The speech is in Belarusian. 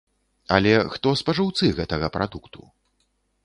Але хто спажыўцы гэтага прадукту?